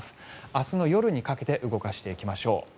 明日の夜にかけて動かしていきましょう。